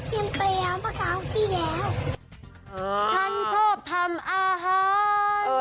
ชั้นชอบทำอาหาร